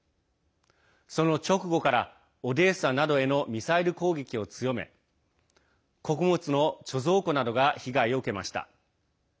その直後からオデーサなどへのミサイル攻撃を強め穀物の貯蔵庫などが被害を受けました。